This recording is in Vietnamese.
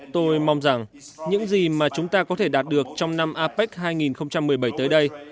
tôi mong rằng những gì mà chúng ta có thể đạt được trong năm apec hai nghìn một mươi bảy tới đây